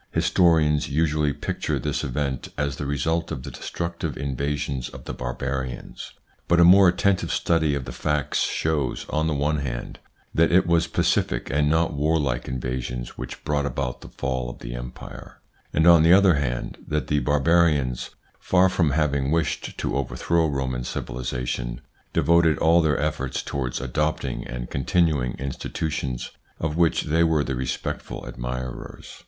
Historians usually picture this event as ITS INFLUENCE ON THEIR EVOLUTION 155 the result of the destructive invasions of the Bar barians ; but a more attentive study of the facts shows, on the one hand, that it was pacific and not warlike invasions which brought about the fall of the Empire ; and, on the other hand, that the Barbarians, far from having wished to overthrow Roman civili sation, devoted all their efforts towards adopting and continuing institutions of which they were the re spectful admirers.